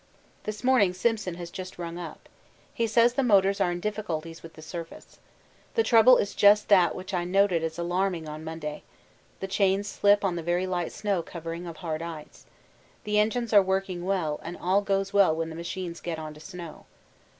This morning Simpson has just rung up. He says the motors are in difficulties with the surface. The trouble is just that which I noted as alarming on Monday the chains slip on the very light snow covering of hard ice. The engines are working well, and all goes well when the machines get on to snow.